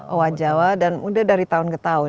oha jawa dan sudah dari tahun ke tahun